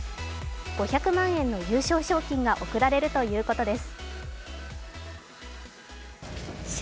５００万円の優勝賞金が贈られるということです。